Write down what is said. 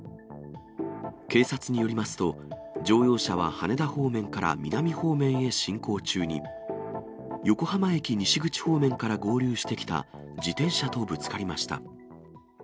警察によりますと、乗用車は羽田方面から南方面へ進行中に、横浜駅西口方面から合流してきた自転車とぶつかりました。